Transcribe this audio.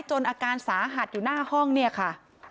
อาการสาหัสอยู่หน้าห้องเนี่ยค่ะ